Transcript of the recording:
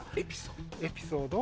エピソードを。